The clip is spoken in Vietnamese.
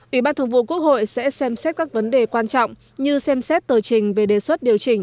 ủy ban thường vụ quốc hội sẽ xem xét các vấn đề quan trọng như xem xét tờ trình về đề xuất điều chỉnh